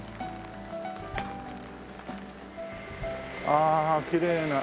ああきれいな。